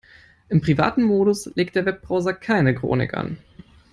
Im privaten Modus legt der Webbrowser keine Chronik an.